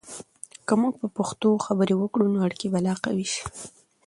که موږ په پښتو خبرې وکړو، نو اړیکې به لا قوي سي.